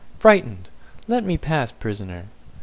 Frightened! Let me pass, prisoner!"